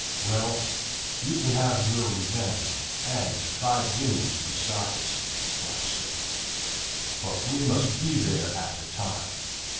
"Well, you can have your revenge and five guineas besides," Flash said. "But we must be there at the time.